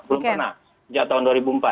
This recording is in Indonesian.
belum pernah sejak tahun dua ribu empat